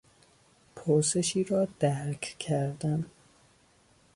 پرسشی را درک کردن